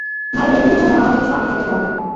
ভালো লেনদেনের জন্য আমার যথেষ্ট আর্টিফেক্টের দরকার।